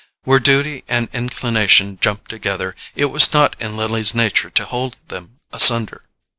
Where duty and inclination jumped together, it was not in Lily's nature to hold them asunder.